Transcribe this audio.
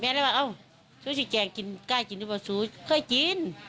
แม่แล้วว่าอ้าวซูซี่แจงกินใกล้กินด้วยประสูร์ค่อยกิน